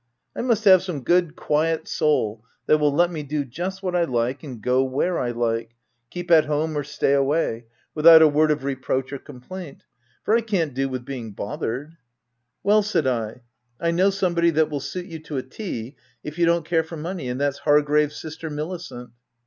'I must have some good, quiet soul that will let me just do what I like and go where I like, keep at home or stay away, without a word of re proach or complaint ; for I can't do with being bothered/ 6 Well/ said I. 'I know somebody that will suit you to a tee, if you don't care for money, and that's Hargrave's sister, Milicent.'